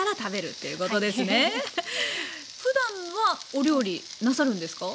ふだんはお料理なさるんですか？